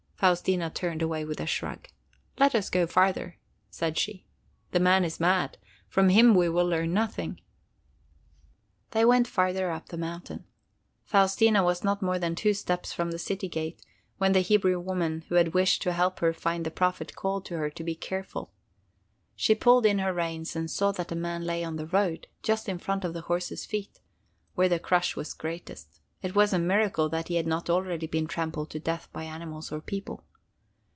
Faustina turned away with a shrug. "Let us go farther!" said she. "The man is mad. From him we will learn nothing." They went farther up the mountain. Faustina was not more than two steps from the city gate, when the Hebrew woman who had wished to help her find the Prophet called to her to be careful. She pulled in her reins and saw that a man lay in the road, just in front of the horse's feet, where the crush was greatest. It was a miracle that he had not already been trampled to death by animals or people.